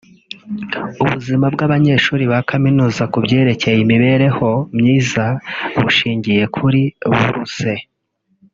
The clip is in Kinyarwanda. “Ubuzima bw’abanyeshuri ba kaminuza ku byerekeye imibereho myiza bushingiye kuri buruse